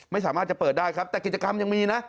ไม่สามารถจะเปิดได้ครับแต่กิจกรรมยังมีนะ